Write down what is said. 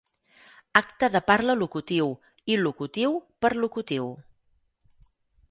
Acte de parla locutiu, il·locutiu, perlocutiu.